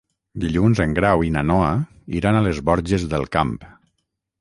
Dilluns en Grau i na Noa iran a les Borges del Camp.